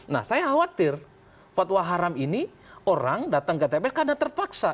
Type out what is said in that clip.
nah saya khawatir fatwa haram ini orang datang ke tp karena terpaksa